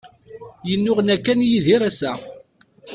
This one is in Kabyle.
Yennuɣna kan Yidir ass-a.